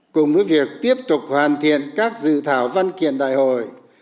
cùng với việc tiếp tục hoàn thiện các dự thảo văn kiện đại hội